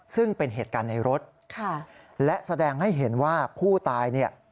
ซึ่งเป็นเหตุการณ์ในรถค่ะและแสดงให้เห็นว่าผู้ตายเนี่ย